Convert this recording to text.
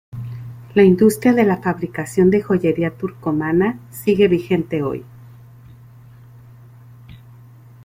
La industria de la fabricación de joyería turcomana sigue vigente hoy.